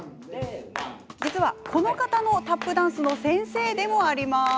実は、この方のタップダンスの先生でもあります。